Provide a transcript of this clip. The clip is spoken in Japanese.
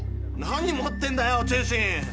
何持ってんだよチェンシン。